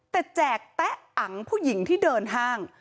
แต่แจกแต๊ะอังผู้หญิงที่เดินห้าง